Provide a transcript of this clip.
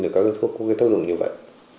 được các thuốc có cái thất lượng như vậy